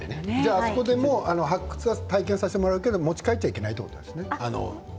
あそこで発掘は体験させてもらうけど持ち帰ってはいけないということね。